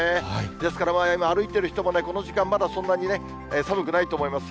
ですから、歩いてる人もね、この時間まだそんなにね、寒くないと思います。